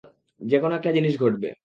যেকোনো একটা জিনিস ঘটবে।